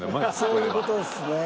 そういう事ですね。